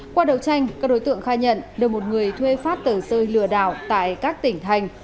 qua đầu tranh các đối tượng khai nhận được một người thuê phát tờ rơi lừa đảo tại các tỉnh thành